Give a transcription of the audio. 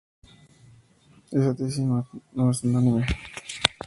Esta tesis no es unánime.